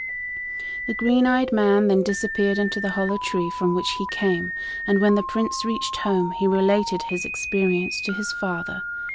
The green eyed man then disappeared into the hollow tree from which he came; and when the Prince reached home, he related his experience to his father.